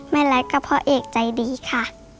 แม่รักกับพ่อเอกใจดีค่ะ